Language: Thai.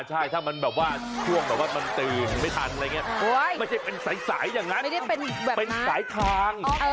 ใช่ถ้ามันช่วงตื่นไม่ทันไม่ใช่เป็นสายอย่างนั้นเป็นสายทาง